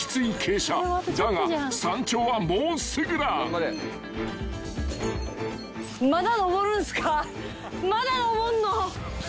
［だが山頂はもうすぐだ］